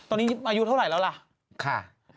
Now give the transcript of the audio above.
ตอนนี้อายุเท่าไหร่แล้วล่ะ